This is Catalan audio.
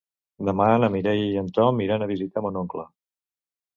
Demà na Mireia i en Tom iran a visitar mon oncle.